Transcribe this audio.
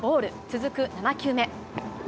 続く７球目。